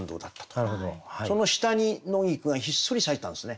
その下に野菊がひっそり咲いてたんですね。